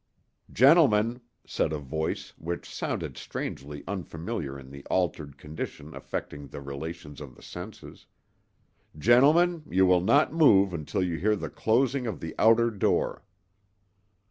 "Gentlemen," said a voice which sounded strangely unfamiliar in the altered condition affecting the relations of the senses—"gentlemen, you will not move until you hear the closing of the outer door."